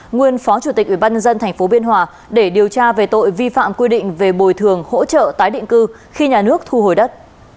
nguyên phó chủ tịch ủy ban nhân dân tp biên hòa để điều tra về tội vi phạm quy định về bồi thường hỗ trợ tái định cư khi nhà nước thu hồi đất